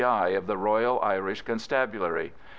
I. of the Royal Irish Constabulary.